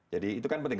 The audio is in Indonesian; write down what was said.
jadi itu kan penting